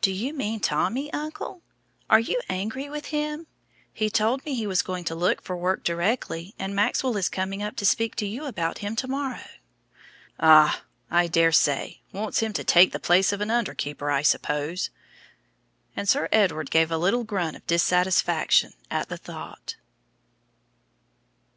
"Do you mean Tommy, uncle? Are you angry with him? He told me he was going to look for work directly, and Maxwell is coming up to speak to you about him to morrow." "Ah! I daresay wants him to take the place of under keeper, I suppose," and Sir Edward gave a little grunt of dissatisfaction at the thought.